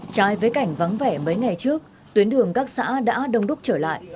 trái với cảnh vắng vẻ mấy ngày trước tuyến đường các xã đã đông đúc trở lại